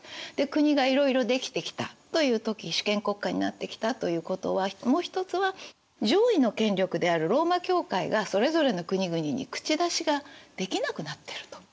国がいろいろ出来てきたという時主権国家になってきたということはもう一つは上位の権力であるローマ教会がそれぞれの国々に口出しができなくなってると。